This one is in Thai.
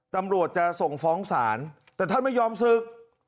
ตำรวจจะส่งฟ้องศาลแต่ท่านไม่ยอมศึก